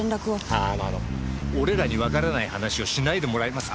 ああのあの俺らにわからない話をしないでもらえますか。